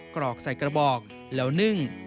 กรอกใส่กระบอกแล้วนึ่ง